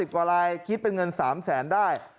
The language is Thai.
๕๐กว่าลายคิดเป็นเงิน๓๐๐๐๐๐บาทได้